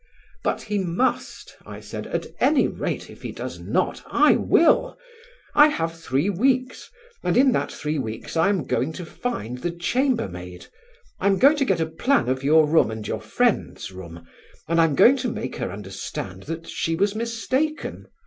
"But he must," I said, "at any rate if he does not I will. I have three weeks and in that three weeks I am going to find the chambermaid. I am going to get a plan of your room and your friend's room, and I'm going to make her understand that she was mistaken.